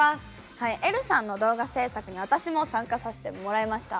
えるさんの動画制作に私も参加させてもらいました。